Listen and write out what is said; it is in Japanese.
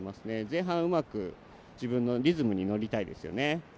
前半、うまく自分のリズムにのりたいですよね。